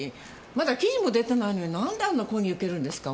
まだ記事も出てないのになんであんな抗議受けるんですか？